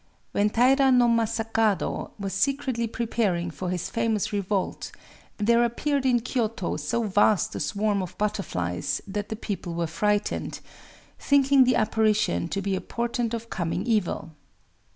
When Taïra no Masakado was secretly preparing for his famous revolt, there appeared in Kyōto so vast a swarm of butterflies that the people were frightened,—thinking the apparition to be a portent of coming evil...